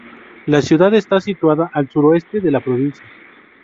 La ciudad está situada al suroeste de la provincia.